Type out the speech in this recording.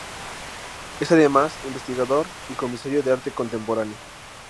Es además, investigador y comisario de arte contemporáneo.